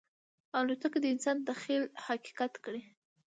الوتکه د انسان تخیل حقیقت کړی.